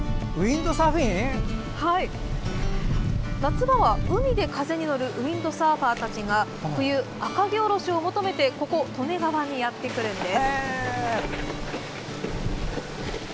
夏場は海で風に乗るウインドサーファーたちが冬、赤城おろしを求めてここ利根川にやってくるんです。